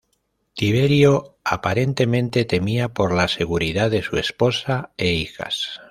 Tiberio aparentemente temía por la seguridad de su esposa e hijas.